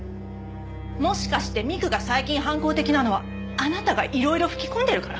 もしかして美玖が最近反抗的なのはあなたがいろいろ吹き込んでるから？